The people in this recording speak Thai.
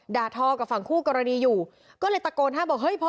ทอกับฝั่งคู่กรณีอยู่ก็เลยตะโกนห้ามบอกเฮ้ยพ่อ